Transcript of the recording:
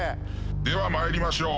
では参りましょう。